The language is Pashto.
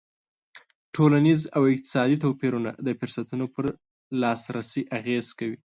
ټولنیز او اقتصادي توپیرونه د فرصتونو پر لاسرسی اغېز کوي.